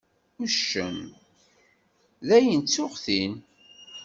Uccen: Dayen ttuγ-t-in.